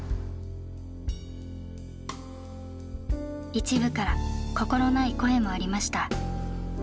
一部から心ない声もありました。